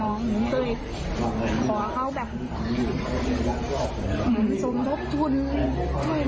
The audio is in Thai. อยากบอกเขาแบบสมทบทุนช่วยน้องหน่อย